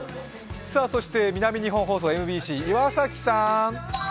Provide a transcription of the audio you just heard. そして南日本放送ＭＢＣ、岩崎さん